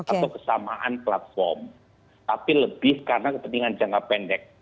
atau kesamaan platform tapi lebih karena kepentingan jangka pendek